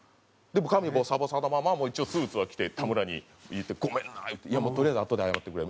髪ボサボサのまま一応スーツは着て田村に「ごめんな！」言って「とりあえずあとで謝ってくれ。